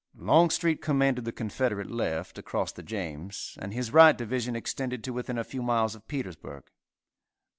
Longstreet commanded the Confederate left, across the James, and his right division extended to within a few miles of Petersburg.